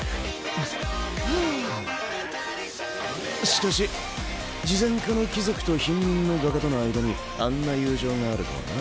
しかし慈善家の貴族と貧民の画家との間にあんな友情があるとはな。